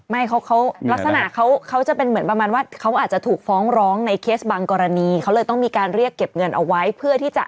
ไม่เขาลักษณะเขาเขาจะเป็นเหมือนประมาณว่าเขาอาจจะถูกฟ้องร้องในเคสบางกรณีเขาเลยต้องมีการเรียกเก็บเงินเอาไว้เพื่อที่จะ